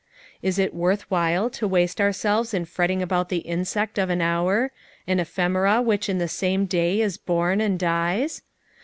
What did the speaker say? Is it worth while to waste ouraclres )□ fretting ab«ut the iDsect uf an hour, an ephemera which in the same da; is born and dies